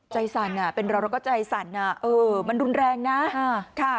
ใจสั่นเป็นเราก็ใจสั่นมันรุนแรงนะ